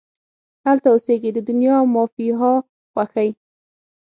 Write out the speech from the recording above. هلته اوسیږې د دنیا او مافیها خوښۍ